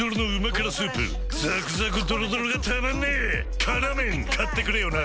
「辛麺」買ってくれよな！